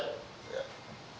tidak ada pernyataan